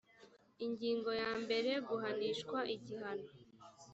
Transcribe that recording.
ingingo ya mbere guhanishwa igihano